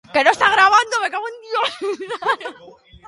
Zazpi Kaleetako geltokian Errekalde auzora lotunea egongo zen.